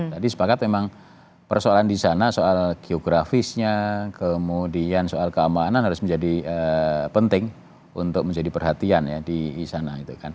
jadi sepakat memang persoalan di sana soal geografisnya kemudian soal keamanan harus menjadi penting untuk menjadi perhatian ya di sana